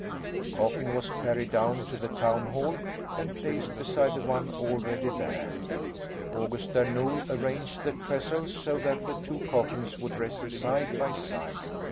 The coffin was carried down to the town hall and placed beside the one already there. August Där Nol arranged the trestles so that the two coffins would rest side by side.